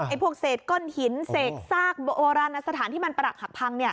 พวกเศษก้อนหินเศษซากโบราณสถานที่มันปรักหักพัง